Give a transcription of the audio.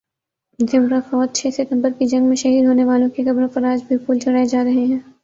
ذمرہ فوج چھ ستمبر کی جنگ میں شہید ہونے والوں کی قبروں پر آج بھی پھول چڑھائے جا رہے ہیں